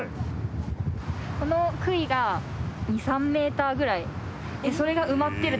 この杭が２３メーターぐらい。